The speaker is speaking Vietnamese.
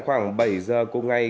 khoảng bảy giờ cùng ngày